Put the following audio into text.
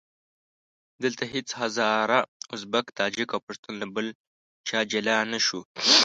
دلته هېڅ هزاره، ازبک، تاجک او پښتون له بل چا جلا نه شو.